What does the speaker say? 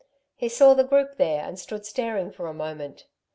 He saw the group there and stood staring for a moment.